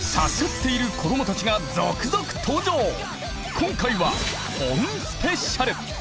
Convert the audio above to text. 今回は本スペシャル！